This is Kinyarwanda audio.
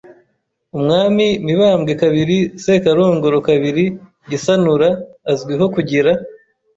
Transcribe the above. Umwami Mibambwe II Sekarongoro II Gisanura azwiho kugira